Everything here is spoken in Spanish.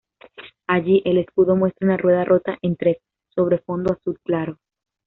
Allí, el escudo muestra una rueda rota en tres sobre fondo azul claro.